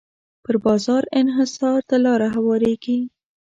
پر بازار انحصار ته لاره هواریږي.